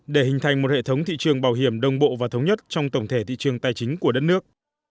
để hình thành một hệ thống thị trường bảo hiểm đồng bộ và thống nhất trong tổng thể thị trường tài chính của đất nước